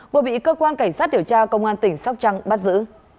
vừa bị cơ quan cảnh sát điều tra công an tỉnh sóc trăng bắt giữ